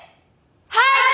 はい！